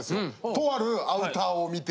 とあるアウターを見て。